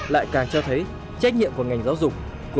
lại càng cho thấy trách nhiệm của ngành giáo dục